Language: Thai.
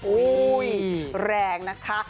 โอ้ยแรงนะค่ะ